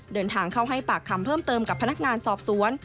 เดินทางเข้าให้ปากคำเพิ่มเติมกับพนักงานสอบสวน